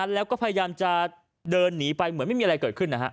แล้วก็พยายามจะเดินหนีไปเหมือนไม่มีอะไรเกิดขึ้น